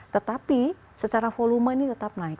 tetapi secara volume ini tetap naik